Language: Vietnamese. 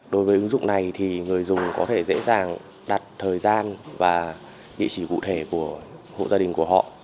đối với ứng dụng này thì người dùng có thể dễ dàng đặt thời gian và địa chỉ cụ thể của hộ gia đình của họ